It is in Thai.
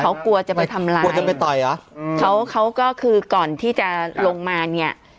เขากลัวจะไปทำร้ายกลัวจะไปต่อยเหรออืมเขาเขาก็คือก่อนที่จะลงมาเนี้ย